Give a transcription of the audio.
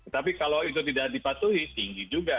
tapi kalau itu tidak dipatuhi tinggi juga